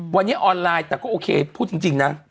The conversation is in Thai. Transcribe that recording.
วันนี้ออนไลน์แต่ก็โอเคพูดจริงนะ